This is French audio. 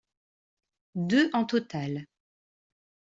Deux en total.